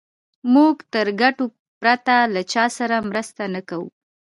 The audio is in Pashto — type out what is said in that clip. موږ تر ګټو پرته له چا سره مرسته نه کوو.